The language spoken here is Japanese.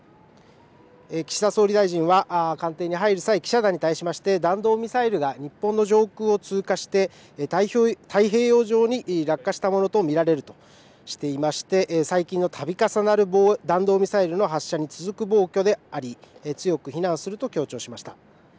岸田総理大臣は官邸に入る際記者団に対しまして弾道ミサイルが日本の上空を通過して太平洋上に落下したものと見られるとしていまして最近のたび重なる弾道ミサイルの発射に続く暴挙であり強く非難すると強調しました。